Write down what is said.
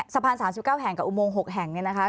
สะพาน๓๙แห่งกับอุโมง๖แห่งนี่นะคะ